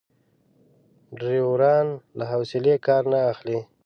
ډریوران له حوصلې کار نه اخلي.